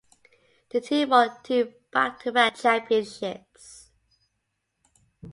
The team won two back-to-back championships.